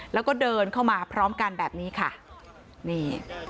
แล้วก็เดินเข้ามาพร้อมกันแบบนี้ค่ะนี่